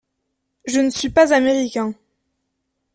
Je ne suis pas Américain.